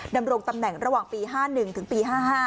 ดำรงตำแหน่งระหว่างปี๕๑ถึงปี๕๕